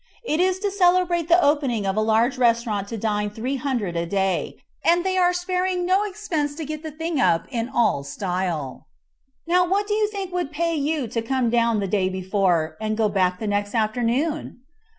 It is to celebrate the opening of a large restaurant to dine three hundred a day, and they are sparing no expense to get the thing up in Al style. Now, what do you think would pay you to come down the day before, and go back the next afternoon?"